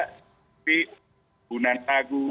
tapi perkebunan sagu